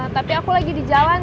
tapi aku lagi di jalan